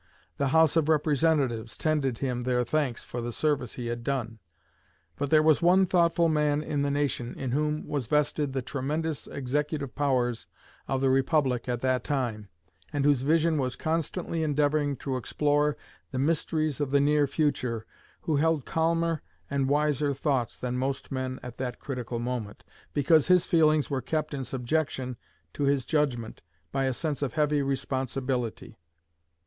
The House of Representatives tendered him their thanks for the service he had done. But there was one thoughtful man in the nation, in whom was vested the tremendous executive power of the Republic at that time, and whose vision was constantly endeavoring to explore the mysteries of the near future, who held calmer and wiser thoughts than most men at that critical moment, because his feelings were kept in subjection to his judgment by a sense of heavy responsibility.